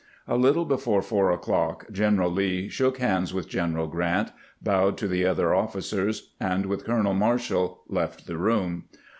A little before four o'clock General Lee shook hands with General Grant, bowed to the other officers, and with Colonel Marshall left the room.